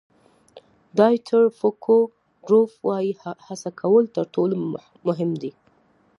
ډایټر فوکودروف وایي هڅه کول تر ټولو مهم دي.